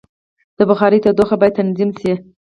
د بخارۍ تودوخه باید تنظیم شي.